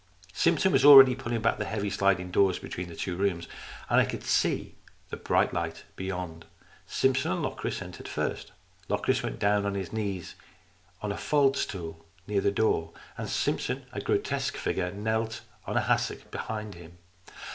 Simpson was already pulling back the heavy sliding doors between the two rooms, and I could see the bright light beyond. Simpson and Locris entered first. Locris went down on his knees on a faldstool near the door, and Simpson, a grotesque figure, knelt on a hassock behind him.